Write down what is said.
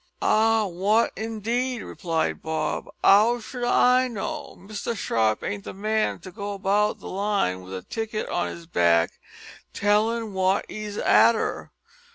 "Ah wot indeed!" replied Bob; "'ow should I know? Mr Sharp ain't the man to go about the line with a ticket on his back tellin' wot he's arter.